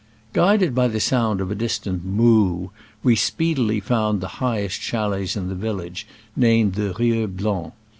Guided by the sound of a distant "moo," we speedily found the highest chalets in the valley, named Rieu Blanc.